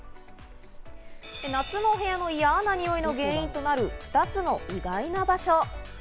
夏のお部屋のイヤなニオイの原因となる２つの意外な場所。